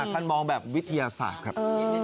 ท่านมองแบบวิทยาศาสตร์ครับ